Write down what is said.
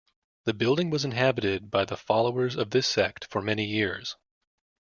The building was inhabited by the followers of this sect for many years.